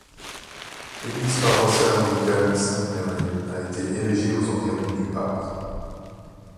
L'église paroissiale anglicane, St Mary, a été érigée aux environs du apr.